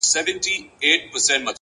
پوه انسان د زده کړې سفر نه بندوي.